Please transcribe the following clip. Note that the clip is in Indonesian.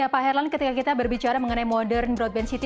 pak herlan ketika kita berbicara mengenai modern broadband city